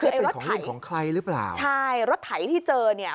เป็นของเล่นของใครหรือเปล่าใช่รถไถที่เจอเนี่ย